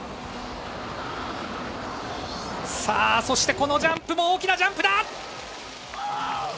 そして、このジャンプも大きなジャンプ！